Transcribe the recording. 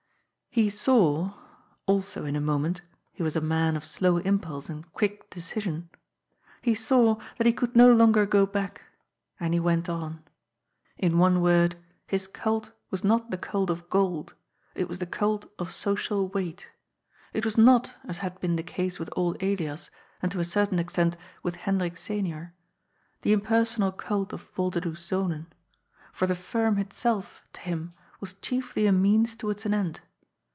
He saw — also in a moment ; he was a man of slow inv pulse and quick decision — he saw that he could no longer go back. And he went on. In one word : His cult was not the cult of gold. It was the cult of social weight. It was not, as had been the case with old Elias, and to a certain extent with Hendrik Senior, the impersonal cult of Voider does Zonen. For the firm itself, to him, was chiefly a means towards an end.